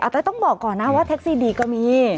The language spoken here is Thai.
แต่ต้องบอกก่อนนะว่าแท็กซี่ดีก็มี